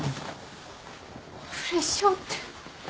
プレッシャーって。